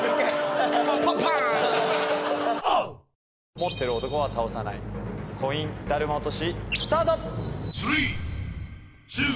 持ってる男は倒さないコインだるま落とし。